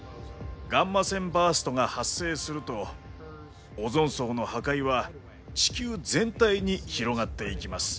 ガンマ線バーストが発生するとオゾン層の破壊は地球全体に広がっていきます。